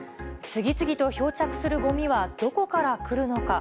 次々と漂着するごみはどこから来るのか。